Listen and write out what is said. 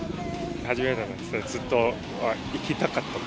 初めてなんですけど、ずっと来たかった。